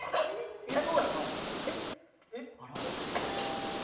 いやそうやんな？